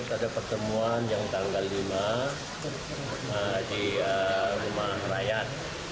ada pertemuan yang tanggal lima di rumah rakyat